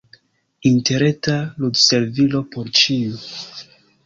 Interreta ludservilo por ĉiu.